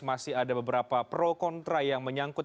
masih ada beberapa pro kontra yang menyangkut